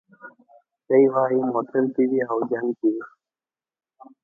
دی وايي موټر دي وي او جنګ دي وي